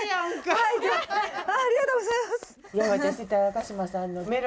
ありがとうございます。